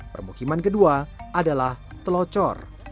permukiman kedua adalah telocor